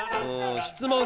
質問